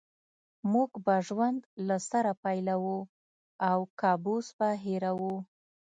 موږ به ژوند له سره پیلوو او کابوس به هېروو